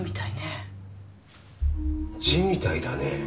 字みたいだね。